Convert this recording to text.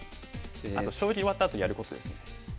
あと将棋終わったあとやることですね。